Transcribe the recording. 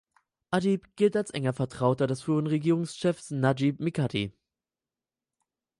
Adib gilt als enger Vertrauter des früheren Regierungschefs Nadschib Miqati.